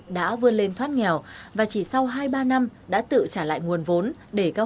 đã vươn lên thoát nghèo và chỉ sau hai ba năm đã tự trả lời